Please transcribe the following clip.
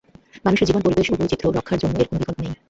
মানুষের জীবন, পরিবেশ ও জীববৈচিত্র্য রক্ষার জন্য এর কোনো বিকল্প নেই।